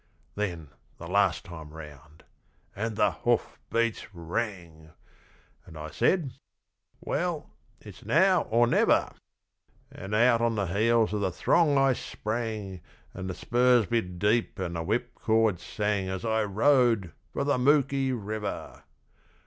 Then the last time round! And the hoofbeats rang! And I said, 'Well, it's now or never!' And out on the heels of the throng I sprang, And the spurs bit deep and the whipcord sang As I rode! For the Mooki River!